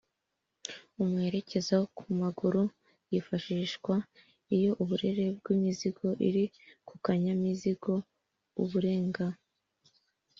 umuherekeza wo kumaguru yifashishwa iyo uburebure bw’ imizigo iri kukanyamizigo burenga m